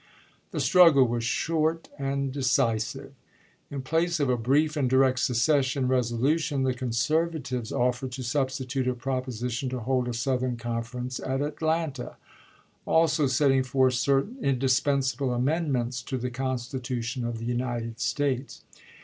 The struggle was short and decisive. In place of a brief and direct secession resolution the conservatives offered to substitute a proposition to hold a Southern conference at At lanta; also setting forth certain "indispensable" amendments to the Constitution of the United States.